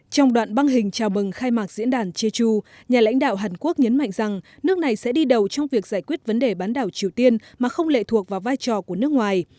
trong đoạn băng hình chào mừng khai mạc diễn đàn jeju nhà lãnh đạo hàn quốc nhấn mạnh rằng nước này sẽ đi đầu trong việc giải quyết vấn đề bán đảo triều tiên mà không lệ thuộc vào vai trò của nước ngoài